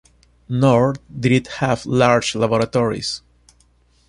Nor did it have large laboratories.